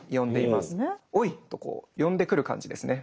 「おい！」とこう呼んでくる感じですね。